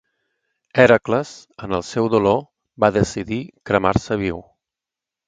Hèracles, en el seu dolor, va decidir cremar-se viu.